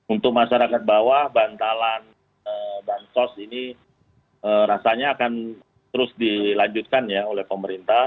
untuk masyarakat bawah bantalan bansos ini rasanya akan terus dilanjutkan ya oleh pemerintah